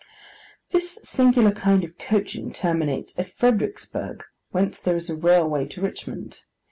This singular kind of coaching terminates at Fredericksburgh, whence there is a railway to Richmond.